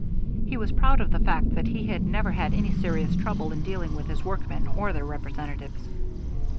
He was proud of the fact that he had never had any serious trouble in dealing with his workmen or their representatives.